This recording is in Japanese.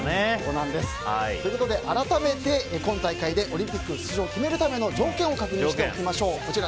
ということで改めて、今大会でオリンピック出場を決めるための条件を確認しておきましょう。